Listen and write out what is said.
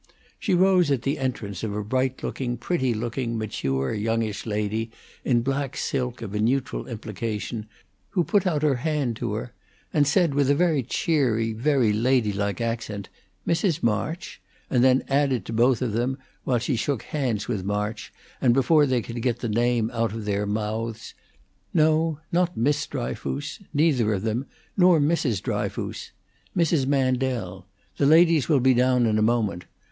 She rose at the entrance of a bright looking, pretty looking, mature, youngish lady, in black silk of a neutral implication, who put out her hand to her, and said, with a very cheery, very ladylike accent, "Mrs. March?" and then added to both of them, while she shook hands with March, and before they could get the name out of their months: "No, not Miss Dryfoos! Neither of them; nor Mrs. Dryfoos. Mrs. Mandel. The ladies will be down in a moment.